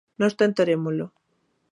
Nós tentarémolo.